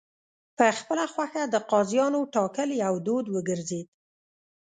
په خپله خوښه د قاضیانو ټاکل یو دود وګرځېد.